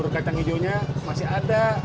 kacang hijaunya masih ada